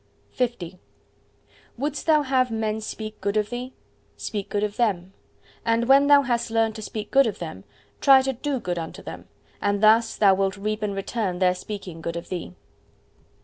L Wouldst thou have men speak good of thee? speak good of them. And when thou hast learned to speak good of them, try to do good unto them, and thus thou wilt reap in return their speaking good of thee.